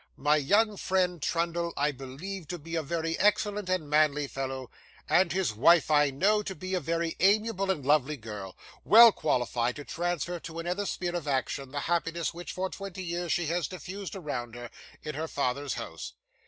My young friend, Trundle, I believe to be a very excellent and manly fellow; and his wife I know to be a very amiable and lovely girl, well qualified to transfer to another sphere of action the happiness which for twenty years she has diffused around her, in her father's house.